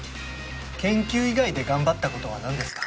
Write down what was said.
研究以外で頑張ったことは何ですか？